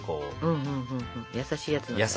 優しいやつなのね。